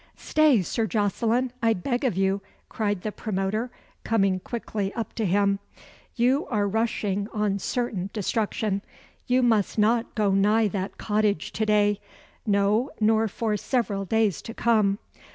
"Stay, Sir Jocelyn, I beg of you," cried the promoter, coming quickly up to him; "you are rushing on certain destruction. You must not go nigh that cottage to day; no, nor for several days to come.